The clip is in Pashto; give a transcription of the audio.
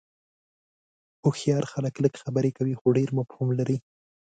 هوښیار خلک لږ خبرې کوي خو ډېر مفهوم لري.